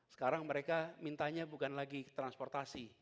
sekarang mereka mintanya bukan lagi ke transportasi